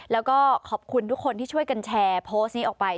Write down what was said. แล้วก็ขอบคุณทุกคนที่ช่วยกันแชร์โพสต์นี้ออกไป